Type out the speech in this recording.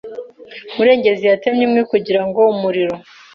Murengezi yatemye inkwi kugirango umuriro.